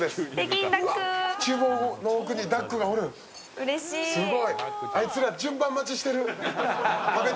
うれしい。